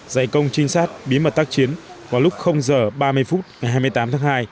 giải công trinh sát bí mật tác chiến vào lúc h ba mươi phút ngày hai mươi tám tháng hai